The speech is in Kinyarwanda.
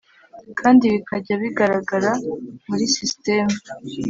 kandi bikajya bigaragara muri sisiteme